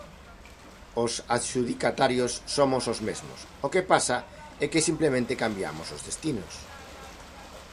Os adxudicatarios somos os mesmos, o que pasa é que simplemente cambiamos os destinos.